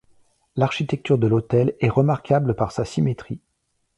L’architecture de l’hôtel est remarquable par sa symétrie.